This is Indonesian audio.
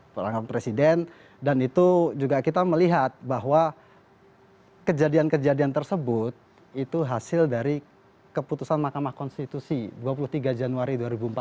perangkat presiden dan itu juga kita melihat bahwa kejadian kejadian tersebut itu hasil dari keputusan mahkamah konstitusi dua puluh tiga januari dua ribu empat belas